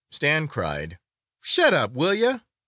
Stan cried, "Shut up, will you?"